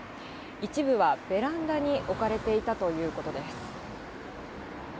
一部はベランダに置かれていたということです。